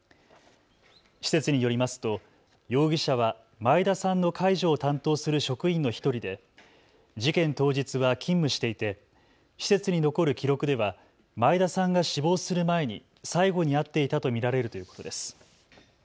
施設によりますと容疑者は前田さんの介助を担当する職員の１人で事件当日は勤務していて施設に残る記録では前田さんが死亡する前に最後に会っていたと見られるということです。